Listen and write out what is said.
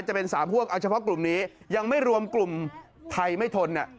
จะเป็น๓พวกเอาเฉพาะกลุ่มนี้ยังไม่รวมกลุ่มไทยไม่ทน